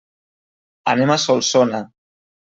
Anem a Solsona.